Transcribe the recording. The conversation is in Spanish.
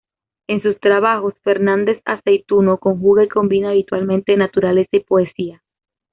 En sus trabajos, Fernández-Aceytuno conjuga y combina habitualmente naturaleza y poesía.